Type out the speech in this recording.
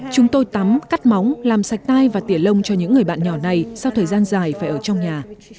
chúng tôi tắm cắt móng làm sạch tai và tỉa lông cho những người bạn nhỏ này sau thời gian dài phải ở trong nhà